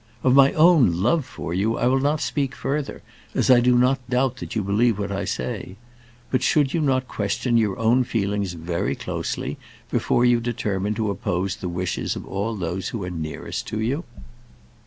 Of my own love for you I will not speak further, as I do not doubt that you believe what I say; but should you not question your own feelings very closely before you determine to oppose the wishes of all those who are nearest to you?"